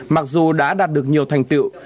mặc dù đã đạt được nhiều thành tựu